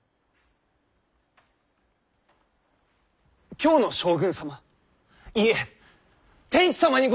京の将軍様いいえ天子様にございます！